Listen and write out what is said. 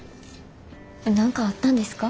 何かあったんですか？